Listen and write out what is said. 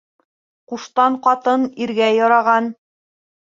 Ҡуштан ҡатын иргә яраған